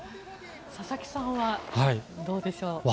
佐々木さんはどうでしょう。